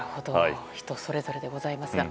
人それぞれでございますか。